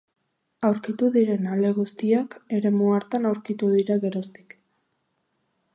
Aurkitu diren ale guztiak eremu hartan aurkitu dira geroztik.